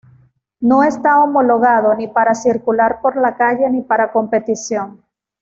No está homologado ni para circular por la calle ni para competición.